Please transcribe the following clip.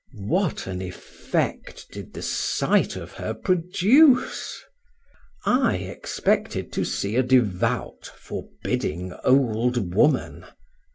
What an effect did the sight of her produce! I expected to see a devout, forbidding old woman; M.